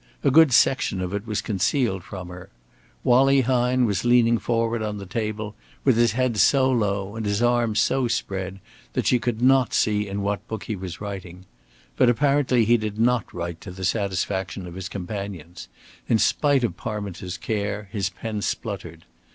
A good section of it was concealed from her. Wallie Hine was leaning forward on the table, with his head so low and his arms so spread that she could not see in what book he was writing. But apparently he did not write to the satisfaction of his companions. In spite of Parminter's care his pen spluttered.